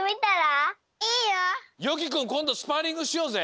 よきくんこんどスパーリングしようぜ。